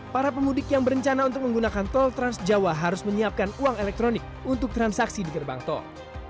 para pemudik yang berencana untuk menggunakan tol transjawa harus menyiapkan uang elektronik untuk transaksi di gerbang tol